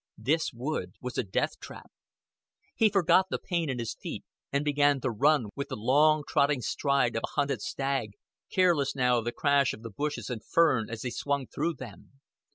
This wood was a death trap. He forgot the pain in his feet, and began to run with the long trotting stride of a hunted stag, careless now of the crash of the bushes and fern as he swung through them.